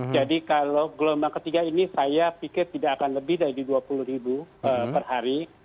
jadi kalau gelombang ketiga ini saya pikir tidak akan lebih dari dua puluh ribu per hari